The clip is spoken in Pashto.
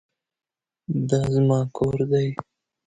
دا زما کور دی